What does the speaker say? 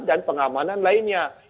dan pengamanan lainnya